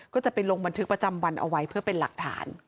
ก็จะไปลงบันทึกประจำวันเอาไว้เพื่อเป็นหลักฐาน